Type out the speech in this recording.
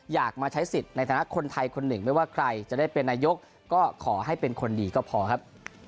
อยากมาใช้สิทธิ์ในฐานะคนไทยคนหนึ่งไม่ว่าใครจะได้เป็นนายกก็ขอให้เป็นคนดีก็พอครับ